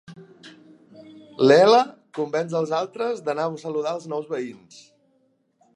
Leela convenç els altres d'anar a saludar els nous veïns.